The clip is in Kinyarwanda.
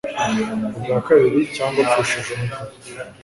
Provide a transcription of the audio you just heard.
ubwa kabiri cyangwa apfushije umugabo